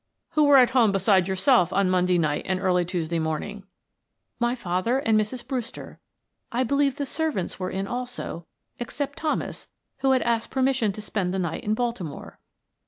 "Who were at home beside yourself on Monday night and early Tuesday morning?" "My father and Mrs. Brewster; I believe the servants were in also, except Thomas, who had asked permission to spend the night in Baltimore."